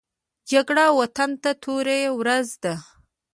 جګړه وطن ته توره ورځ ده